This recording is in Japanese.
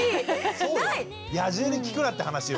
野獣に聞くなって話よ。